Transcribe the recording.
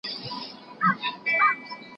مېړه چي مېړه وي، لور ئې چاړه وي.